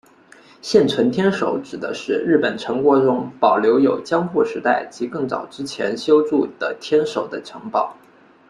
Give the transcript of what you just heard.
现存天守指的是日本城郭中保留有江户时代及更早之前修筑的天守的城堡。